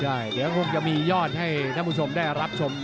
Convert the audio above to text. เดี๋ยวคงจะมียอดให้ท่านผู้ชมได้รับชม